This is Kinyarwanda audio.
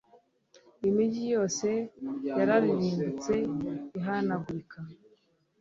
Imigi yose yararimbutse ihanagurika